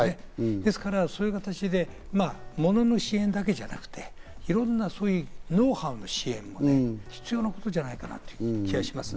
ですから、そういう形で物の支援だけではなくて、いろんなノウハウの支援も必要なことじゃないかなという気がしますね。